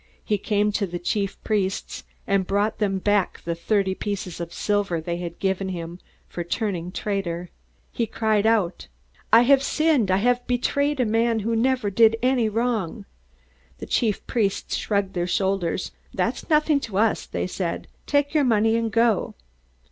He came to the chief priests, and brought them back the thirty pieces of silver they had given him for turning traitor. He cried out: "I have sinned! I betrayed a man who never did any wrong!" The chief priests shrugged their shoulders. "That's nothing to us," they said. "Take your money and go!"